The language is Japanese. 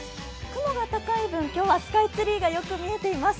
雲が高い分、今日はスカイツリーがよく見えています。